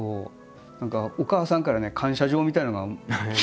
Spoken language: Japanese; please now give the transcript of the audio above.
お母さんからね感謝状みたいなのが。